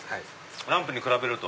ランプに比べると。